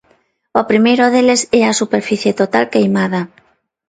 O primeiro deles é a superficie total queimada.